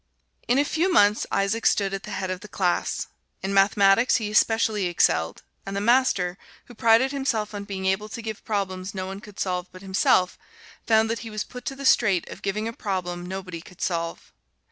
In a few months Isaac stood at the head of the class. In mathematics he especially excelled, and the Master, who prided himself on being able to give problems no one could solve but himself, found that he was put to the strait of giving a problem nobody could solve.